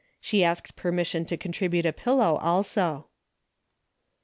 She asked permission to con tribute a pillow also.